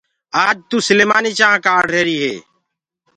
آج تو سليمآني چآنه ڪآڙهري هي